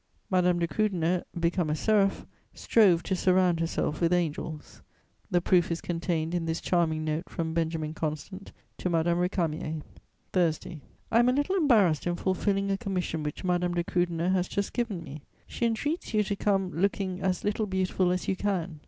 Madame de Krüdener, become a seraph, strove to surround herself with angels; the proof is contained in this charming note from Benjamin Constant to Madame Récamier: "Thursday. "I am a little embarrassed in fulfilling a commission which Madame de Krüdener has just given me. She entreats you to come looking as little beautiful as you can.